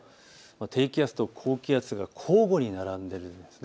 低気圧と高気圧が交互に並んでいるんです。